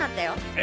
え！